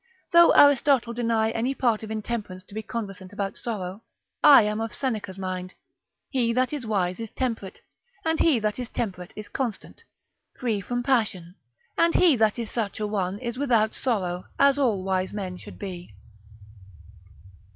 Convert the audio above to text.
Though Aristotle deny any part of intemperance to be conversant about sorrow, I am of Seneca's mind, he that is wise is temperate, and he that is temperate is constant, free from passion, and he that is such a one, is without sorrow, as all wise men should be.